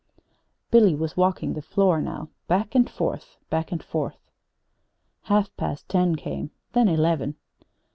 Billy was walking the floor now, back and forth, back and forth. Half past ten came, then eleven.